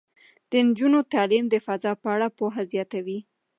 د نجونو تعلیم د فضا په اړه پوهه زیاتوي.